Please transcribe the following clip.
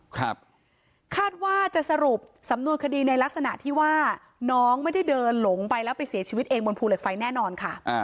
คาดว่าจะสรุปสำนวนคดีในลักษณะที่ว่าน้องไม่ได้เดินหลงไปแล้วไปเสียชีวิตเองบนภูเหล็กไฟแน่นอนค่ะอ่า